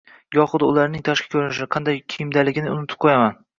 gohida ularning tashqi koʻrinishi, qanday kiyimdaligini unutib qoʻyaman.